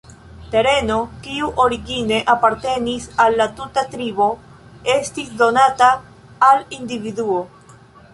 Tereno, kiu origine apartenis al la tuta tribo, estis donata al individuo.